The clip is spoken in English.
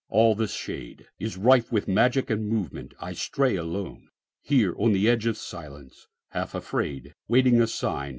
All the shadeIs rife with magic and movement. I stray aloneHere on the edge of silence, half afraid, Waiting a sign.